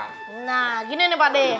nah gini nih pakde